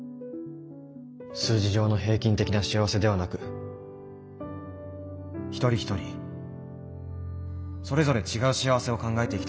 数字上の平均的な幸せではなく一人一人それぞれ違う幸せを考えていきたいと思います。